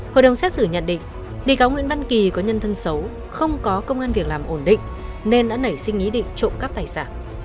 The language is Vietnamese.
hội đồng xét xử nhận định bị cáo nguyễn văn kỳ có nhân thân xấu không có công an việc làm ổn định nên đã nảy sinh ý định trộm cắp tài sản